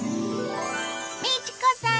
美智子さん